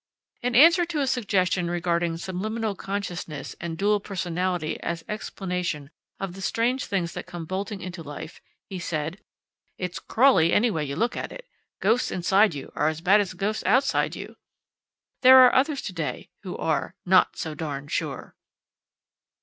In answer to a suggestion regarding subliminal consciousness and dual personality as explanation of the strange things that come bolting into life, he said, "It's crawly any way you look at it. Ghosts inside you are as bad as ghosts outside you." There are others to day who are "not so darn sure!"